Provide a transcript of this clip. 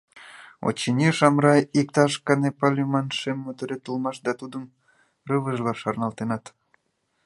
Очыни, Шамрай, иктаж Канепа лӱман шем моторет улмаш да тудым рывыжла шарналтенат.